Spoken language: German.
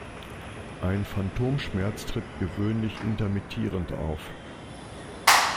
Ein Phantomschmerz tritt gewöhnlich intermittierend auf.